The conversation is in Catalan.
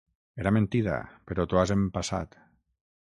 Era mentida però t'ho has empassat.